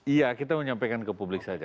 iya kita menyampaikan ke publik saja